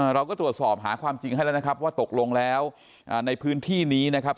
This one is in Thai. เราก็ตรวจสอบหาความจริงให้แล้วนะครับว่าตกลงแล้วในพื้นที่นี้นะครับ